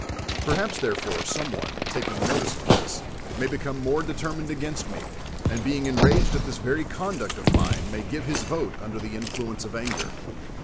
Perhaps, therefore, some one, taking notice of this, may become more d' termined against me, and, being enraged at this very conduct of mine, may give his vote undi'i the influence of anger.